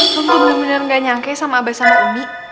rum tuh bener bener nggak nyangke sama abah sama umi